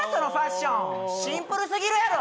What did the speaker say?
シンプルすぎるやろ！